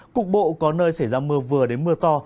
cục bộ có nơi xảy ra mưa vừa đến mưa to